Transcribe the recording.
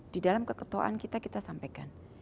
di dalam keketuaan kita kita sampaikan